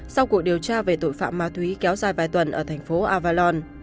sau cuộc điều tra về tội phạm ma túy kéo dài vài tuần ở thành phố avalon